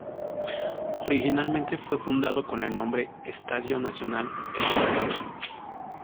Originalmente fue fundado con el nombre Estadio Nacional El Paraíso.